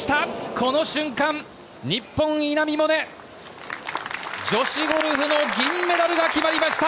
この瞬間、日本、稲見萌寧女子ゴルフの銀メダルが決まりました！